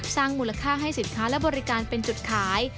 สร้างมูลค่าให้สินค้าและบริการเป็นจุดขาย